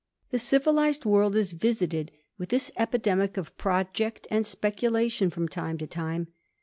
The civilised world is visited with this epidemic of project and speculatioii from time to time.